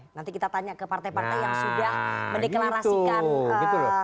nanti kita tanya ke partai partai yang sudah mendeklarasikan